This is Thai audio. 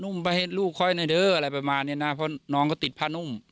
นุ่มไปให้ลูกค่อยอะไรประมาณนี้นะเพราะน้องก็ติดผ้านุ่ม